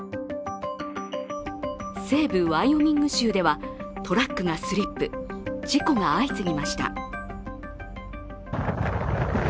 西部ワイオミング州ではトラックがスリップ事故が相次ぎました。